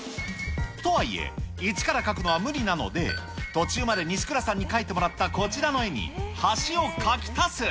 とはいえ、一から描くのは無理なので、途中まで西倉さんに描いてもらったこちらの絵に、橋を描き足す。